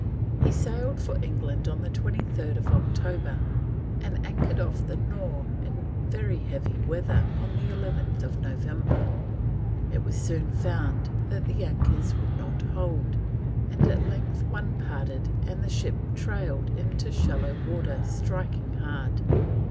He sailed for England on 23rd October, and anchored off the Nore in very heavy weather on 11th November. It was soon found that the anchors would not hold, and at length one parted and the ship "trailed into shallow water, striking hard."